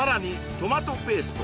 トマトペースト